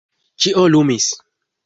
Ĉio lumis.